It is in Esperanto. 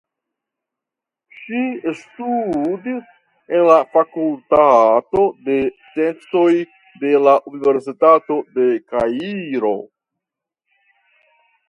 Ŝi studis en la Fakultato de Sciencoj de la Universitato de Kairo.